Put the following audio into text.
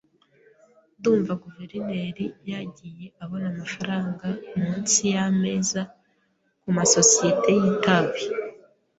Ndumva guverineri yagiye abona amafaranga munsi yameza kumasosiyete y itabi.